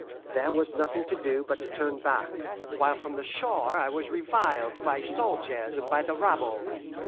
There was nothing to do, but to turn back, while from the shore I was reviled by soldiers and by the rabble.